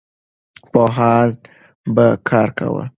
پوهان به کار کاوه.